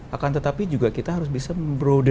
akan tetapi juga kita harus bisa memproduksi